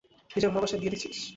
নিজের ভালোবাসার বিয়ে দেখছিস?